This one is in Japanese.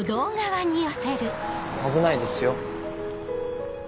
危ないですよ。